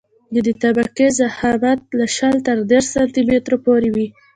د دې طبقې ضخامت له شل تر دېرش سانتي مترو پورې وي